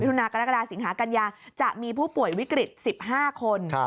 ุนากรกฎาสิงหากัญญาจะมีผู้ป่วยวิกฤต๑๕คน